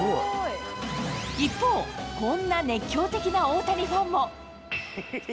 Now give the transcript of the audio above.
一方、こんな熱狂的な大谷ファンも。